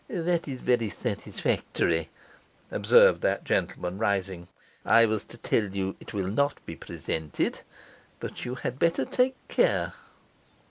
'That is very satisfactory,' observed that gentleman, rising. 'I was to tell you it will not be presented, but you had better take care.